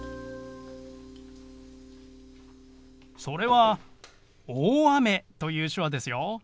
それは「大雨」という手話ですよ。